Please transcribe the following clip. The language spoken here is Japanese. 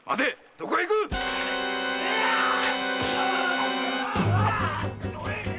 どこへ行くっ⁉